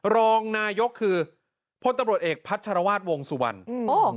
รองนายกคือพลตบรสเอกพัชรวาสวงศ์สุวรรณ